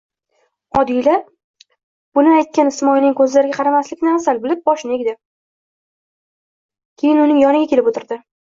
Keyin uning yoniga kelib o‘tirdi.